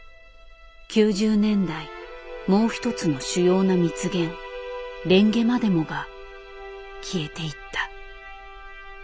９０年代もう一つの主要な蜜源レンゲまでもが消えていった。